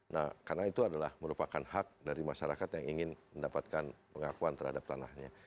nah karena itu adalah merupakan hak dari masyarakat yang ingin mendapatkan pengakuan terhadap tanahnya